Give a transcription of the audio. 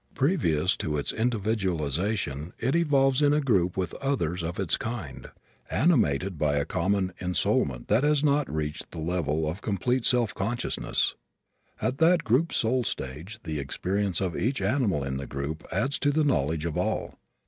Previous to its individualization it evolves in a group with others of its kind, animated by a common ensoulment that has not reached the level of complete self consciousness. At that group soul stage the experience of each animal in the group adds to the knowledge of all.